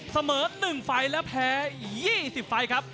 เสมอ๑ไฟล์และแพ้๒๐ไฟล์ครับ